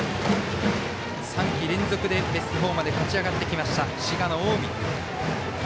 ３季連続でベスト４まで勝ち上がってきた滋賀の近江。